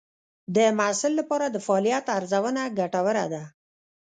د محصل لپاره د فعالیت ارزونه ګټوره ده.